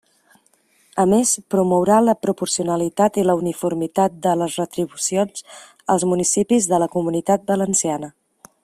A més, promourà la proporcionalitat i la uniformitat de les retribucions als municipis de la Comunitat Valenciana.